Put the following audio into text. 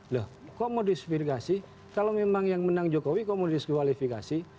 loh kok mau dispirasi kalau memang yang menang jokowi kok mau diskualifikasi